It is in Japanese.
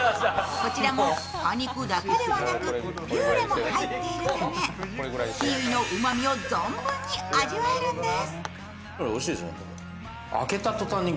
こちらも果肉だけではなく、ピューレも入っているためキウイのうまみを存分に味わえるんです。